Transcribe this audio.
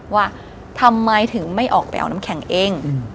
ว่าทำไมถึงไม่ออกไปเอาน้ำแข็งเอง